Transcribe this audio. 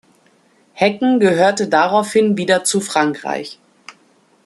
Hecken gehörte daraufhin wieder zu Frankreich.